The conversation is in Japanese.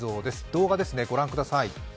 動画ですね、ご覧ください。